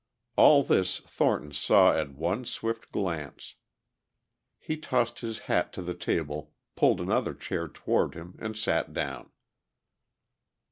All this Thornton saw at one swift glance. He tossed his hat to the table, pulled another chair toward him, and sat down.